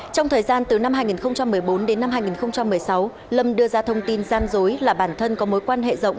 trong thời gian từ năm hai nghìn một mươi bốn đến năm hai nghìn một mươi sáu lâm đưa ra thông tin gian dối là bản thân có mối quan hệ rộng